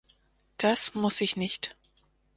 Das muss ich nicht.